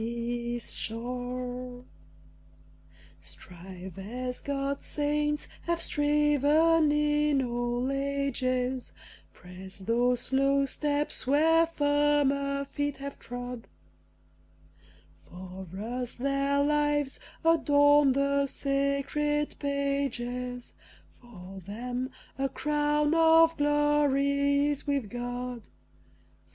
Strive as God's saints have striven in all ages; Press those slow steps where firmer feet have trod: For us their lives adorn the sacred pages, For them a crown of glory is with God.